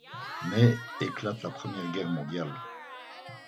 Mais éclate la Première Guerre mondiale.